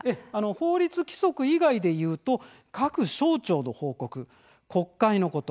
法律、規則以外ということでいうと各省庁の報告国会のこと